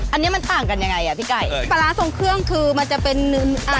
อันนี้มันต่างกันยังไงอ่ะพี่ไก่เออปลาร้าทรงเครื่องคือมันจะเป็นอ่า